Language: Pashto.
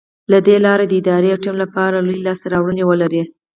له دې لارې د ادارې او ټيم لپاره لویې لاسته راوړنې ولرئ.